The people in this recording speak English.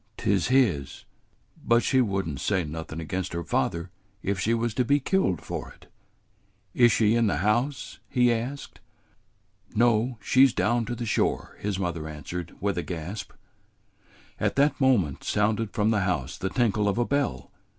"'T 's his; but she would n't say nothin' against her father if she was to be killed for it." "Is she in the house?" he asked. "No; she 's down to the shore," his mother answered, with a gasp. At that moment sounded from the house the tinkle of a bell.